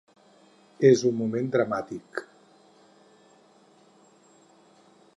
És un moment dramàtic.